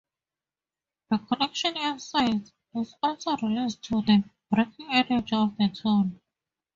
The connection end size is also related to the breaking energy of the tool.